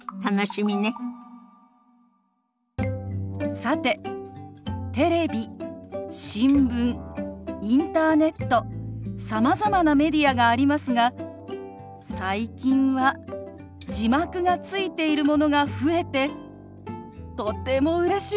さてテレビ新聞インターネットさまざまなメディアがありますが最近は字幕がついているものが増えてとてもうれしいです。